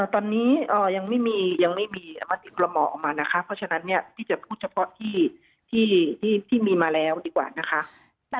ตอนนี้ยังไม่มีประสิทธิ์คลมออกออกมานะคะเพราะฉะนั้นเนี่ยพี่จะพูดเฉพาะที่มีมาแล้วดีกว่านะคะ